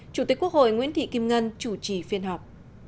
chủ tịch quốc hội nguyễn thị kim ngân chủ trì phiên họp